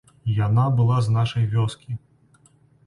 Яна была з нашай вёскі.